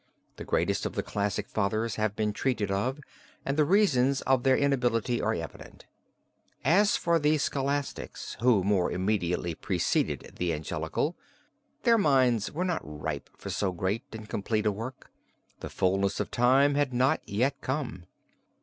The greatest of the classic Fathers have been treated of, and the reasons of their inability are evident. As for the scholastics who more immediately preceded the Angelical, their minds were not ripe for so great and complete a work: the fullness of time had not yet come.